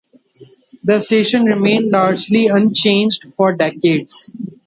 The station remained largely unchanged for decades.